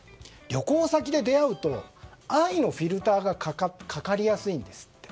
旅行先で出会うと愛のフィルターがかかりやすいんですって。